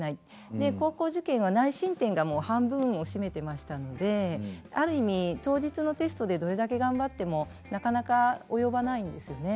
で高校受験は内申点がもう半分を占めてましたのである意味当日のテストでどれだけ頑張ってもなかなか及ばないんですよね。